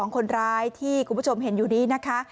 คนร้ายที่คุณผู้ชมเห็นอยู่นี้นะคะ